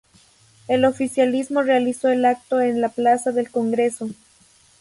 El oficialismo realizó el acto en la Plaza del Congreso.